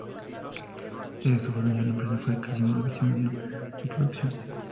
Desde su fundación la empresa fue creciendo y diversificando su producción.